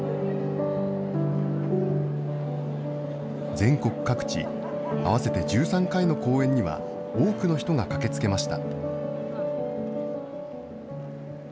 全国各地、合わせて１３回の公演には、多くの人が駆けつけました。